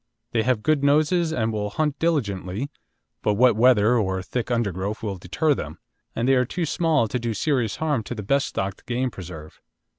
They have good noses and will hunt diligently; but wet weather or thick undergrowth will deter them, and they are too small to do serious harm to the best stocked game preserve.